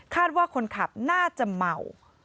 คาดว่าคนขับน่าจะเมล์